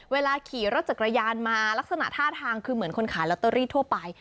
เวลาขี่รถจักรยานมาลักษณะท่าทางคือเหมือนคนขายลอตเตอรี่ทั่วไป